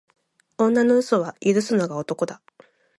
女の嘘は許すのが男だ。